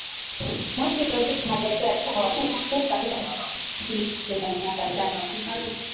mwezi uliopitaMajaliwa alikuwa Waziri Mkuu katika kipindi chote cha miaka mitano ya kwanza